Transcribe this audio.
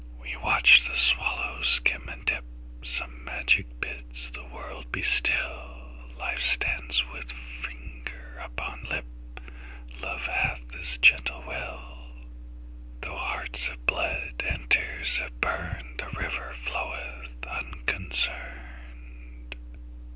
We watch the swallow skim and dip; Some magic bids the world be still; Life stands with finger upon lip; Love hath his gentle will; Though hearts have bled, and tears have burned, The river floweth unconcerned.